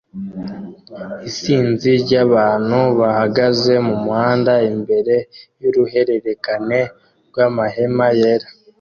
Isinzi ryabantu bahagaze mumuhanda imbere yuruhererekane rwamahema yera